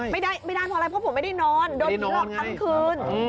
ไม่ได้ไม่ได้เพราะอะไรเพราะผมไม่ได้นอนโดนผีหลอกทั้งคืน